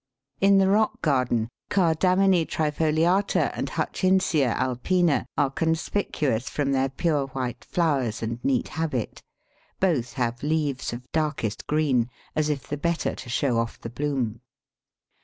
In the rock garden, Cardamine trifoliata and Hutchinsia alpina are conspicuous from their pure white flowers and neat habit; both have leaves of darkest green, as if the better to show off the bloom.